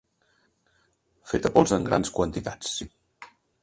Feta pols en grans quantitats.